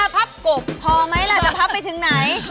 พอมั้ยละเราจะพับไปถึงไหน